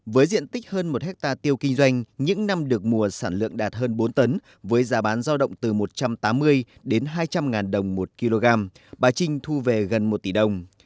với diện tích hơn một hectare tiêu kinh doanh những năm được mùa sản lượng đạt hơn bốn tấn với giá bán giao động từ một trăm tám mươi đến hai trăm linh ngàn đồng một kg bà trinh thu về gần một tỷ đồng